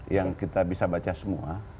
yang kita bisa baca semua